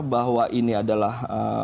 bahwa ini adalah